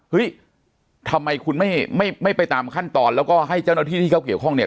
เฮ้ยทำไมคุณไม่ไม่ไปตามขั้นตอนแล้วก็ให้เจ้าหน้าที่ที่เขาเกี่ยวข้องเนี่ย